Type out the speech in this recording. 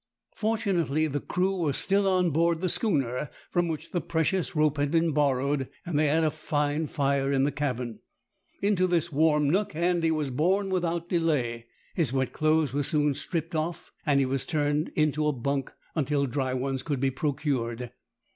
Fortunately the crew were still on board the schooner from which the precious rope had been borrowed, and they had a fine fire in the cabin. Into this warm nook Andy was borne without delay. His wet clothes were soon stripped off, and he was turned into a bunk until dry ones could be procured.